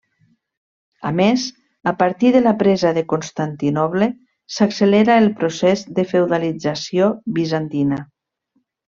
A més, a partir de la presa de Constantinoble s'accelera el procés de feudalització bizantina.